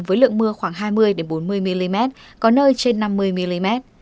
với lượng mưa khoảng hai mươi bốn mươi mm có nơi trên năm mươi mm